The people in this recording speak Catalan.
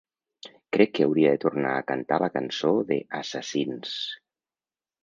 Crec que hauria de tornar a cantar la cançó de ‘assassins’.